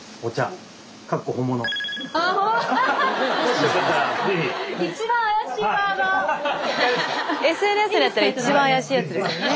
スタジオＳＮＳでやったら一番怪しいやつですよね。